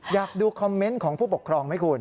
อยากดูคอมเมนต์ของผู้ปกครองไหมคุณ